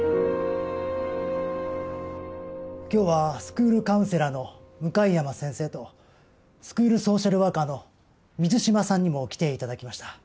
今日はスクールカウンセラーの向山先生とスクールソーシャルワーカーの水島さんにも来て頂きました。